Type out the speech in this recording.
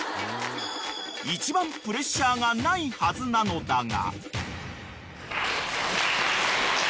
［一番プレッシャーがないはずなのだが］